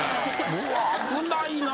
うわ危ないな。